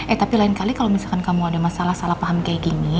eh tapi lain kali kalau misalkan kamu ada masalah salah paham kayak gini